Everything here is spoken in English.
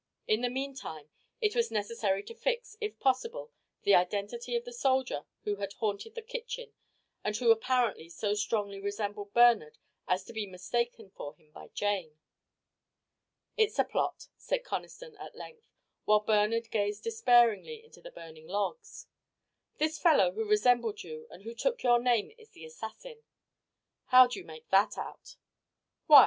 In the meantime it was necessary to fix, if possible, the identity of the soldier who had haunted the kitchen and who apparently so strongly resembled Bernard as to be mistaken for him by Jane. "It's a plot," said Conniston, at length, while Bernard gazed despairingly into the burning logs. "This fellow who resembled you and who took your name is the assassin." "How do you make that out?" "Why!